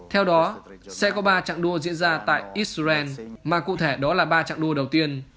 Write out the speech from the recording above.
theo đó sẽ có ba trạng đua diễn ra tại israel mà cụ thể đó là ba trạng đua đầu tiên